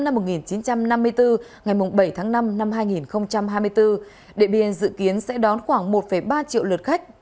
ngày bảy tháng năm năm hai nghìn hai mươi bốn điện biên dự kiến sẽ đón khoảng một ba triệu lượt khách